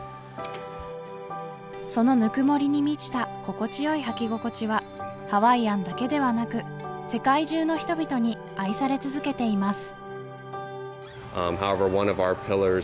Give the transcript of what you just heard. そのぬくもりに満ちた心地よい履き心地はハワイアンだけではなく世界中の人々に愛され続けています